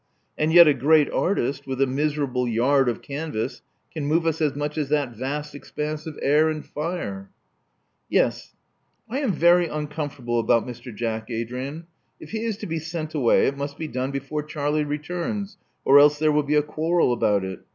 And yet a great artist, with a miserable yard of canvas, can move us as much as that vast expanse of air and fire. " Yes. — I am very uncomfortable about Mr. Jack, Adrian. If he is to be sent away, it must be done before Charlie returns, or else there will be a quarrel about it.